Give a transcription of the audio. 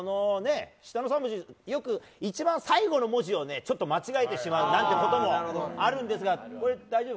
よく一番最後の文字をちょっと間違えてしまうなんていうこともあるんですが大丈夫？